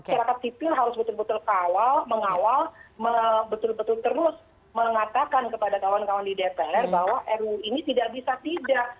masyarakat sipil harus betul betul kawal mengawal betul betul terus mengatakan kepada kawan kawan di dpr bahwa ruu ini tidak bisa tidak